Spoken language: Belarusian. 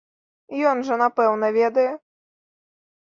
Ён жа, напэўна, ведае.